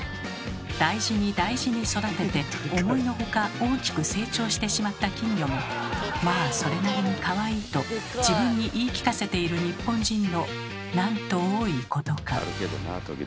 大事に大事に育てて思いのほか大きく成長してしまった金魚もまあそれなりにかわいいと自分に言い聞かせている日本人のなんと多いことか。